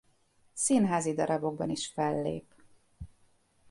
Színházi darabokban is fellép.